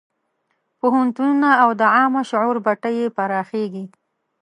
پوهنتونونه او د عامه شعور بټۍ یې پراخېږي.